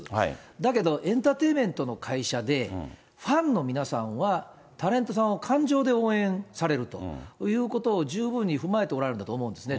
だけど、エンターテインメントの会社で、ファンの皆さんはタレントさんを感情で応援されるということを十分に踏まえておられるんだと思うんですね。